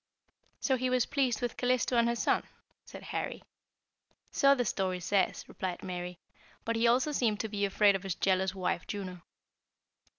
"So he was pleased with Calisto and her son?" said Harry. "So the story says," replied Mary. "But he also seemed to be afraid of his jealous wife Juno.